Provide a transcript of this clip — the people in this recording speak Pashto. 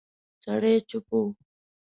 سړی چوپ و.